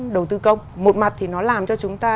đầu tư công một mặt thì nó làm cho chúng ta